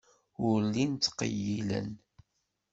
Ur llin ttqeyyilen.